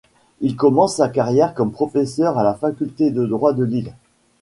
Il commence sa carrière comme professeur à la faculté de droit de Lille.